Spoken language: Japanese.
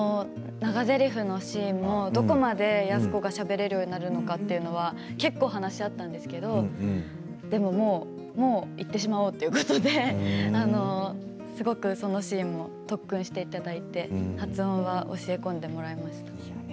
長ぜりふのせりふをどこまで安子がしゃべれるようになるのか結構話し合ったんですけどもういってしまおうということでそのシーンも特訓していただいて発音は教え込んでもらいました。